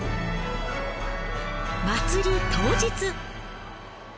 祭り当日。